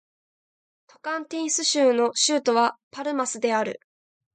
トカンティンス州の州都はパルマスである